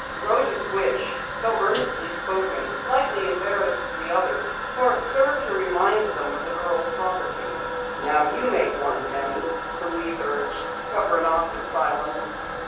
Rhoda's wish, so earnestly spoken, slightly embarrassed the others, for it served to remind them of the girl's poverty. "Now you make one, Penny," Louise urged to cover an awkward silence.